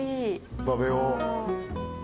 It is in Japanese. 食べよう。